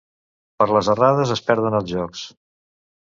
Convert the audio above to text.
Per les errades es perden els jocs.